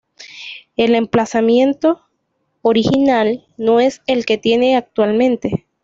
El emplazamiento original no es el que tiene actualmente.